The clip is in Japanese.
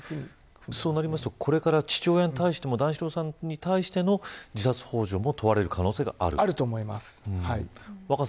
そうなるとこれから父親の段四郎さんに対しての自殺ほう助も問われる可能性があると思います。